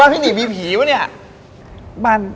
บ้านพี่หนีดมีผีปะเนี่ย